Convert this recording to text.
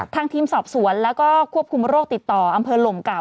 ทีมสอบสวนแล้วก็ควบคุมโรคติดต่ออำเภอหลมเก่า